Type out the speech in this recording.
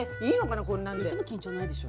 いつも緊張ないでしょ。